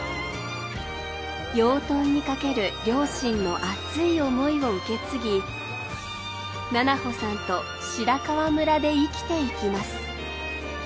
養豚にかける両親の熱い思いを受け継ぎ虹帆さんと白川村で生きていきます。